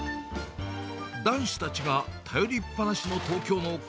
男子たちが頼りっぱなしの東京のおっか